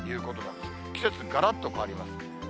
季節、がらっと変わります。